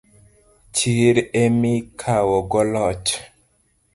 Chir emikawogo loch